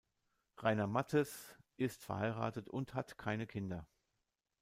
Rainer Matthes ist verheiratet und hat keine Kinder.